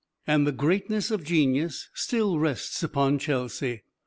And the greatness of genius still rests upon Chelsea.